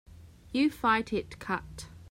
You fight it cut.